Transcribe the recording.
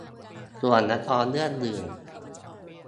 ส่วนละครเรื่องอื่น